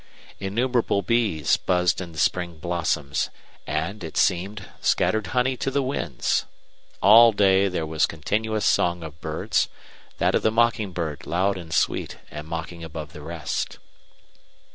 Innumerable bees buzzed in the spring blossoms, and, it seemed, scattered honey to the winds. All day there was continuous song of birds, that of the mocking bird loud and sweet and mocking above the rest.